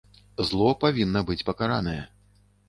Зло павінна быць пакаранае.